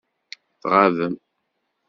Tɣabem.